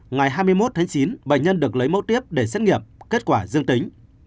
ngày hai mươi một tháng chín bệnh nhân được lấy mẫu tiếp để xét nghiệm kết quả dương tính